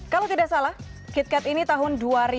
kalau tidak salah kitkat ini tahun dua ribu empat belas